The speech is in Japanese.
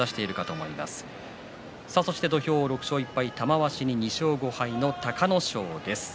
土俵は６勝１敗玉鷲、２勝５敗の隆の勝です。